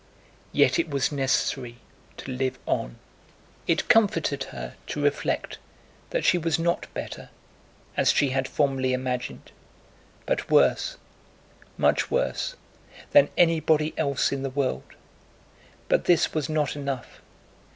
Yet it was necessary to live on. It comforted her to reflect that she was not better as she had formerly imagined, but worse, much worse, than anybody else in the world. But this was not enough.